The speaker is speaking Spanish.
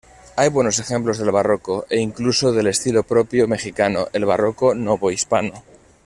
Hay buenos ejemplos del Barroco, e incluso del estilo propio Mexicano, el Barroco novohispano.